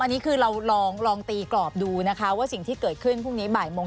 อันนี้คือเราลองตีกรอบดูนะคะว่าสิ่งที่เกิดขึ้นพรุ่งนี้บ่ายโมง